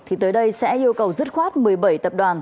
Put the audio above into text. thì tới đây sẽ yêu cầu dứt khoát một mươi bảy tập đoàn